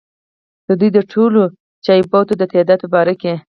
ددوي د ټولو چابېتو د تعداد پۀ باره کښې